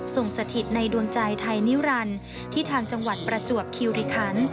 สถิตในดวงใจไทยนิรันดิ์ที่ทางจังหวัดประจวบคิวริคัน